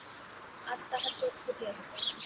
আজ তাহার চোখ ফুটিয়াছে।